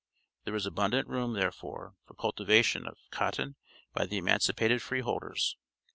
There is abundant room, therefore, for cultivation of cotton by the emancipated freeholders.